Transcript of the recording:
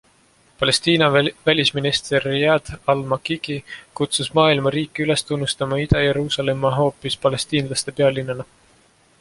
Palestiina välisminister Riyad Al-Makiki kutsus maailma riike üles tunnustama Ida-Jeruusalemma hoopis palestiinlaste pealinnana.